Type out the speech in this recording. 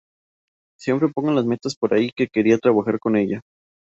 Siempre pongo las metas por ahí que quería trabajar con ella.